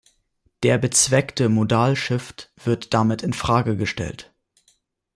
Der bezweckte Modal Shift wird damit in Frage gestellt.